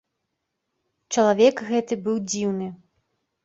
Чалавек гэты быў дзіўны.